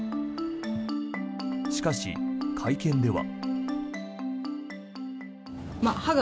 しかし、会見では。